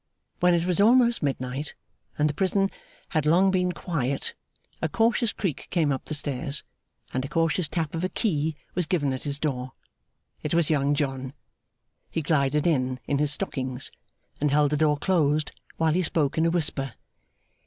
When it was almost midnight, and the prison had long been quiet, a cautious creak came up the stairs, and a cautious tap of a key was given at his door. It was Young John. He glided in, in his stockings, and held the door closed, while he spoke in a whisper.